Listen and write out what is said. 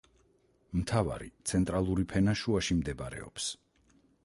მთავარი, ცენტრალური ფენა შუაში მდებარეობს.